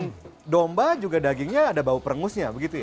daging domba juga ada bau perengusnya begitu ya